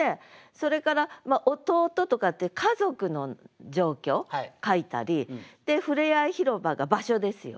それから「弟」とかって家族の状況書いたり「ふれあい広場」が場所ですよね。